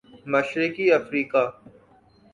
مشرقی افریقہ